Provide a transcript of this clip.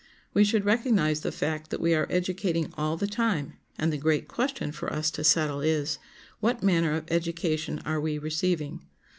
We should recognize the fact that we are educating all the time, and the great question for us to settle is, "What manner of education are we receiving?"